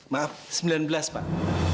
maaf sembilan belas pak